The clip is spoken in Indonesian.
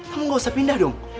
kamu gak usah pindah dong